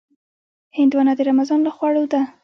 هندوانه د رمضان له خوړو ده.